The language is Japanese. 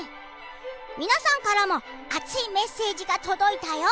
皆さんからも熱いメッセージが届いたよ。